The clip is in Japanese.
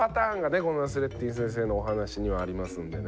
このナスレッディン先生のお話にはありますんでね。